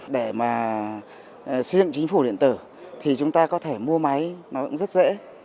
để mà xây dựng chính phủ điện tử thì chúng ta có thể mua máy nó cũng rất dễ